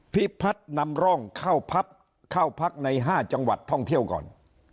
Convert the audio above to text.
พิพัฒนำร่องเข้าพักใน๕จังหวัดท่องเที่ยวก่อน